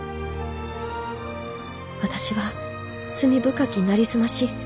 私は罪深きなりすまし。